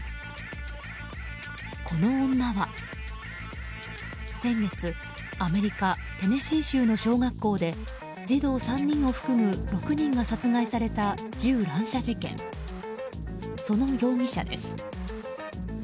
この女は、先月アメリカテネシー州の小学校で児童３人を含む６人が殺害された銃乱射事件その容疑者です。